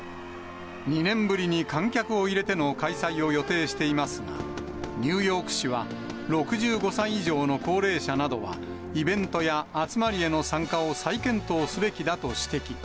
２年ぶりに観客を入れての開催を予定していますが、ニューヨーク市は、６５歳以上の高齢者などは、イベントや集まりへの参加を再検討すべきだと指摘。